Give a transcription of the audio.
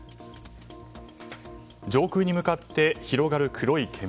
上空に向かって広がる黒い煙。